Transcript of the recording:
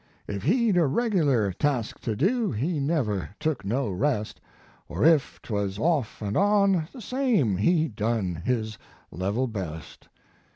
If he d a reg lar task to do, He never took no rest; Or if twas off and on the same He done his level best.